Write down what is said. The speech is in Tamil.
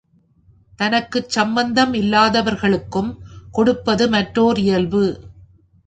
தனக்குச் சம்பந்தம் இல்லாதவர்களுக்கும் கொடுப்பது மற்றோர் இயல்பு.